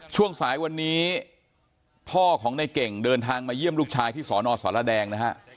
ช่วงสายวันนี้พ่อของในเก่งเดินทางมาเยี่ยมลูกชายที่สอนอสรแดงนะฮะ